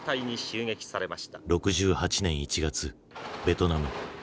６８年１月ベトナム。